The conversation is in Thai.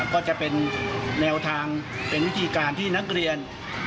ก็จะเป็นแนวทางเป็นวิธีการที่นักเรียน